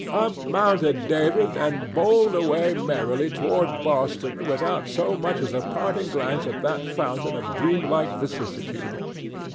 Up mounted David, and bowled away merrily toward Boston without so much as a parting glance at that fountain of dreamlike vicissitude.